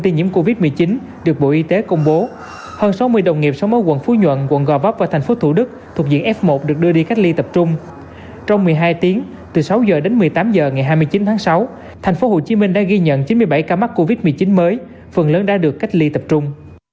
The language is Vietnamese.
tp hcm đã ghi nhận chín mươi bảy ca mắc covid một mươi chín mới phần lớn đã được cách ly tập trung